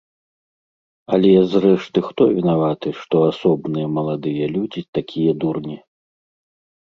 Але, зрэшты, хто вінаваты, што асобныя маладыя людзі такія дурні?